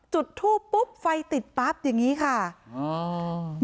จุดทูปปุ๊บไฟติดปั๊บอย่างงี้ค่ะอืม